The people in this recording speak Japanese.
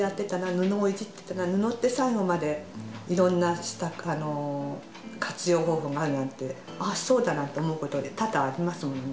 布をいじってたな布って最後までいろんな活用方法があるなんてあっそうだ！なんて思うこと多々ありますもんね